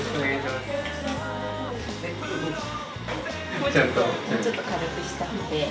もうちょっともうちょっと軽くしたくて。